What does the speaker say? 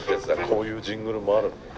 こういうジングルもあるんだね。